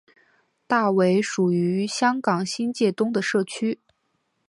大围属于香港新界东的社区。